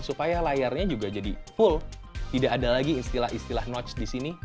supaya layarnya juga jadi full tidak ada lagi istilah istilah notch di sini